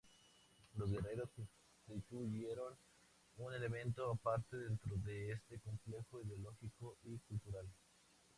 Los guerreros constituyeron un elemento aparte dentro de este complejo ideológico y cultural.